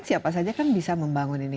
siapa saja kan bisa membangun ini